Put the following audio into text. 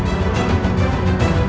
hidup raden walang susah